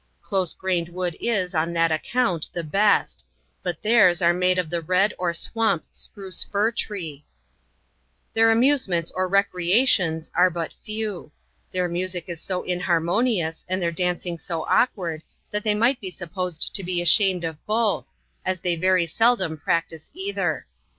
Close grained wood is, on that account, the best; but theirs are made of the red or swamp spruce fir tree Their amusements or recreations are but few. Their mu eic is so inharmonious, and their dancing so awkward, that they might be supposed to be ashamed of both, as they very seldom practice either.